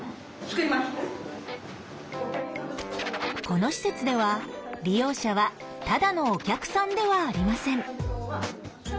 この施設では利用者はただのお客さんではありません。